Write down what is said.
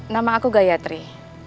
nama aku gayatri